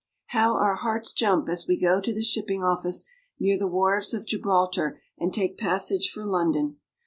HOW our hearts jump as we go to the shipping office near the wharves of Gibraltar and take passage for London